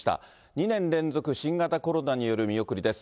２年連続、新型コロナによる見送りです。